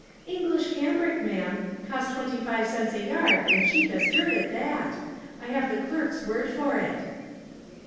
" English cambric, ma'am ; cost twenty five cents a yard, and cheap as dirt at that. I have the clerk's word for it."